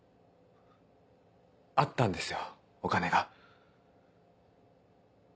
あったんですよお金が。